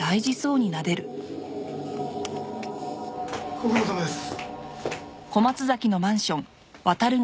ご苦労さまです。